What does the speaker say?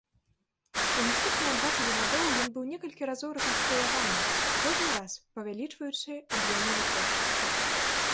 У наступныя дваццаць гадоў ён быў некалькі разоў рэканструяваны, кожны раз павялічваючы аб'ёмы вытворчасці.